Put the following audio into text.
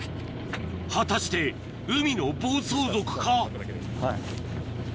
果たして海の暴走族か？